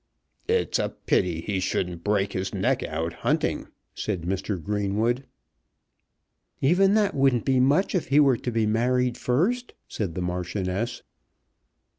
"It's a pity he shouldn't break his neck out hunting," said Mr. Greenwood. "Even that wouldn't be much if he were to be married first," said the Marchioness.